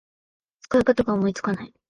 使い方が思いつかない